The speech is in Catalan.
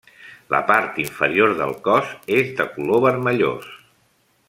La part inferior del cos és de color vermellós.